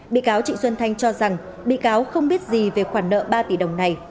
bị cáo trịnh xuân thanh cho rằng bị cáo không biết gì về khoản nợ ba tỷ đồng này